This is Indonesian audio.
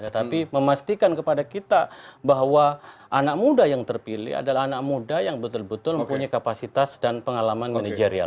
tapi memastikan kepada kita bahwa anak muda yang terpilih adalah anak muda yang betul betul mempunyai kapasitas dan pengalaman manajerial